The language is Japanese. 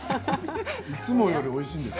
いつもよりおいしいです。